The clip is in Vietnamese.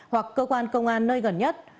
hoặc cơ quan công an nơi gần nhất